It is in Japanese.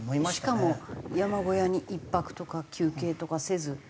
しかも山小屋に１泊とか休憩とかせず。